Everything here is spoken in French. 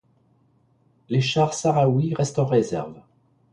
Les chars sahraouis restent en réserve.